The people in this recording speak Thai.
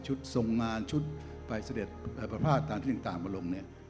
ชุดทรงงานชุดไปศเดศอรัพฆาตธรรมพระภาพต่างบรม